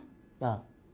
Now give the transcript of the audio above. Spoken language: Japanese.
ああ。